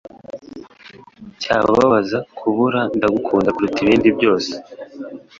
cyababaza kubura Ndagukunda kuruta ibindi byose